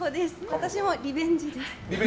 私もリベンジです。